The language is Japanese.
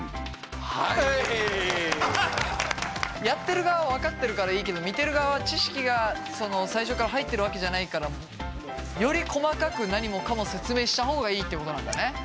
やってる側は分かってるからいいけど見てる側は知識が最初から入ってるわけじゃないからより細かく何もかも説明した方がいいってことなんだね。